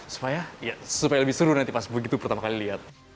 supaya ya supaya lebih seru nanti pas begitu pertama kali lihat